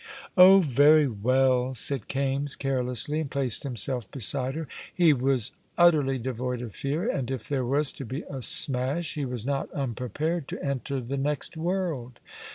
"Oh, very well," said Kaimes, carelessly, and placed himself beside her. He was utterly devoid of fear, and if there was to be a smash, he was not unprepared to enter the next world.